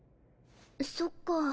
そっか。